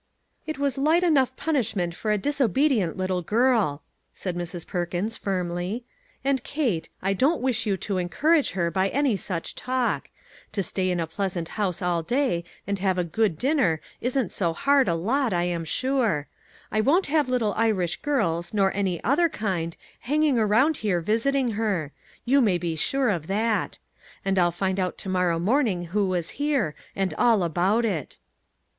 " It was light enough punishment for a dis obedient little girl," said Mrs. Perkins, firmly; and, Kate, I don't wish you to encourage her by any such talk. To stay in a pleasant house 48 "A GIRL OUT OF A BOOK" all day and have a good dinner isn't so hard a lot, I am sure. I won't have little Irish girls, nor any other kind, hanging around here visit ing her ; you may be sure of that. And I'll find out to morrow morning who was here, and all about it."